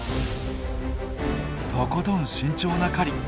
とことん慎重な狩り。